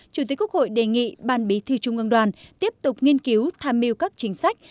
chủ tịch quốc hội đề nghị ban bí thư trung ương đoàn tiếp tục nghiên cứu tham mưu các chính sách